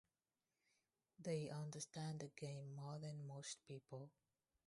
They understand the game more than most people.